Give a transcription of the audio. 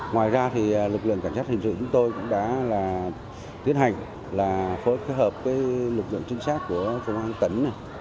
ngoài ra thì lực lượng cảnh sát hình sự chúng tôi cũng đã tiến hành là phối khai hợp với lực lượng trinh sát của công an tấn